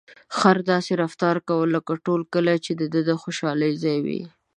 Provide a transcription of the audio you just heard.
خر داسې رفتار کاوه لکه ټول کلي چې د ده د خوشحالۍ ځای وي.